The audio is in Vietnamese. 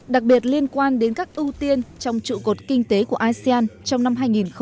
đặc biệt liên quan đến các ưu tiên trong trụ cột kinh tế của asean trong năm hai nghìn hai mươi